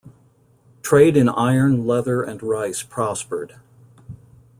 Trade in iron, leather and rice prospered.